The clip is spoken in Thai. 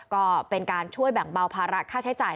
ก็เป็นการช่วยแบ่งเบาภาระค่าใช้จ่าย